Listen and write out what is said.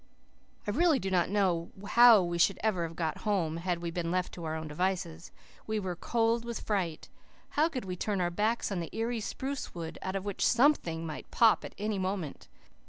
I really do not know how we should ever have got home, had we been left to our own devices. We were cold with fright. How could we turn our backs on the eerie spruce wood, out of which SOMETHING might pop at any moment?